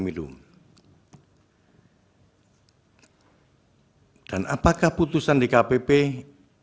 seilsuri apakah ada perkembangannya kami mengaruhi dan apakah itu dapatlah disaksikan oleh kpp